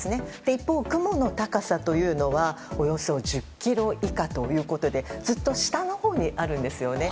一方、雲の高さというのはおよそ１０ｋｍ以下ということでずっと下のほうにあるんですよね。